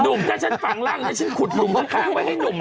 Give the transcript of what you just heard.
หนุ่มจะฉันฝังร่างให้ฉันขุดหนุ่มข้างไว้ให้หนุ่ม